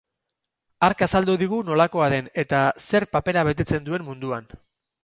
Hark azaldu digu nolakoa den, eta zer papera betetzen duen munduan.